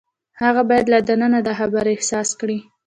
هغه باید له دننه دا خبره احساس کړي.